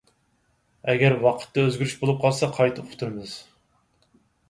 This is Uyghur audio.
ئەگەر ۋاقىتتا ئۆزگىرىش بولۇپ قالسا قايتا ئۇقتۇرىمىز.